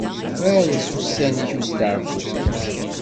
Faṛes ussan-ik n usteɛfu.